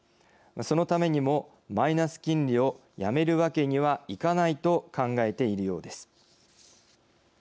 そのためにもマイナス金利をやめるわけにはいかないと考えているようです。